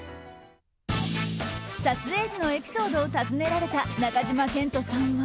撮影時のエピソードを尋ねられた中島健人さんは。